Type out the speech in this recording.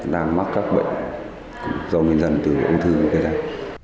đang mắc các bệnh do nguyên dân từ ung thư như thế này